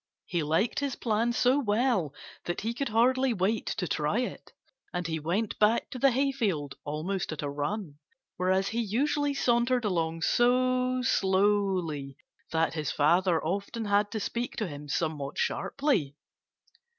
He liked his plan so well that he could hardly wait to try it; and he went back to the hayfield almost at a run, whereas he usually sauntered along so slowly that his father often had to speak to him somewhat sharply.